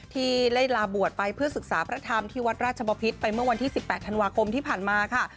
ที่ไล่ลาบวชไปเพื่อศึกษาพระธรรมที่วัดราชบพิษไปเมื่อวันที่๑๘ธันวาคมที่ผ่านมาค่ะ